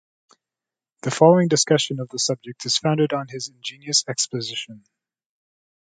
The following discussion of the subject is founded on his ingenious exposition.